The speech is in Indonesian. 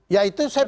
ya itu saya pikir